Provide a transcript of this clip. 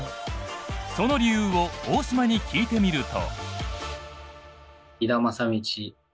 その理由を大島に聞いてみると。